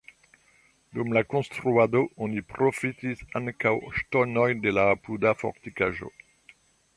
Dum la konstruado oni profitis ankaŭ ŝtonojn de la apuda fortikaĵo.